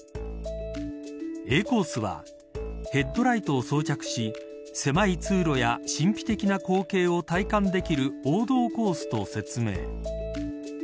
Ａコースはヘッドライトを装着し狭い通路や神秘的な光景を体感できる王道コースと説明。